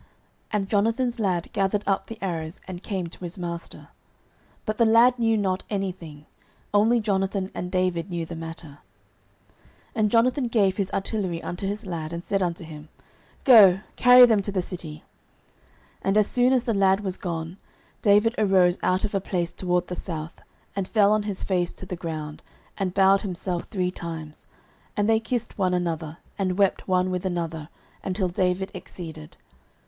And Jonathan's lad gathered up the arrows, and came to his master. 09:020:039 But the lad knew not any thing: only Jonathan and David knew the matter. 09:020:040 And Jonathan gave his artillery unto his lad, and said unto him, Go, carry them to the city. 09:020:041 And as soon as the lad was gone, David arose out of a place toward the south, and fell on his face to the ground, and bowed himself three times: and they kissed one another, and wept one with another, until David exceeded.